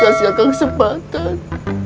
kasih akan kesempatan